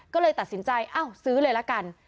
ก็เลยตัดสินใจเอ้าซื้อเลยละกัน